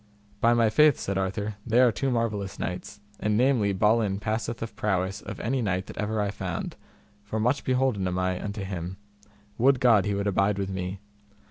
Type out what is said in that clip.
By my faith, said Arthur, they are two marvellous knights, and namely Balin passeth of prowess of any knight that ever I found, for much beholden am I unto him; would God he would abide with me.